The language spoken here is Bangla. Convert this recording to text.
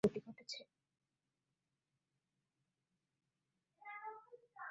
বিংশ শতকের মধ্যভাগ থেকে শুরু করে শেষ পর্যন্ত এই তত্ত্বের অগ্রগতি ঘটেছে।